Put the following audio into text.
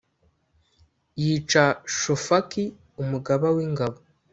Yica Shofaki umugaba w’ingabo